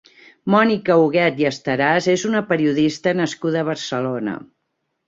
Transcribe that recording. Mònica Huguet i Esteras és una periodista nascuda a Barcelona.